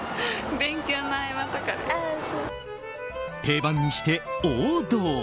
定番にして王道。